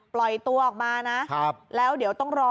ปล่อยตัวออกมานะแล้วเดี๋ยวต้องรอ